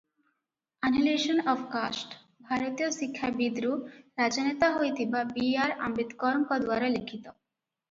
Annihilation of caste ଭାରତୀୟ ଶିକ୍ଷାବିଦରୁ ରାଜନେତା ହୋଇଥିବା ବି. ଆର. ଆମ୍ବେଦକରଙ୍କଦ୍ୱାରା ଲିଖିତ ।